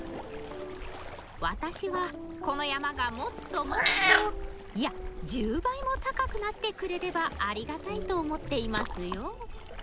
「私はこの山がもっともっといや１０倍も高くなってくれればありがたいと思っていますよ」。